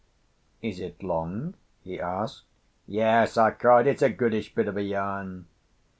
"Is it long?" he asked. "Yes," I cried; "it's a goodish bit of a yarn!"